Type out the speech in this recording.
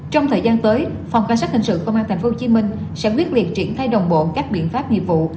trong thời gian tới phòng cảnh sát hình sự công an tp hcm sẽ quyết liệt triển khai đồng bộ các biện pháp nghiệp vụ